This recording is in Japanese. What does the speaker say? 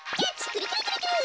くるくるくるくる。